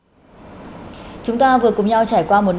và chúng tôi hy vọng các bạn sẽ tham gia một ngày tốt hơn